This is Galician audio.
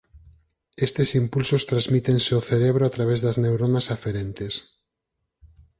Estes impulsos transmítense ao cerebro a través das neuronas aferentes.